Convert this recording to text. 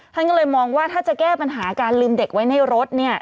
ท่านก็เลยมองว่าถ้าจะแก้ปัญหาการลืมเด็กไว้ในรถเนี่ย